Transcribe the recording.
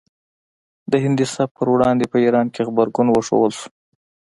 د هندي سبک په وړاندې په ایران کې غبرګون وښودل شو